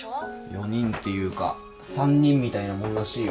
４人っていうか３人みたいなもんらしいよ。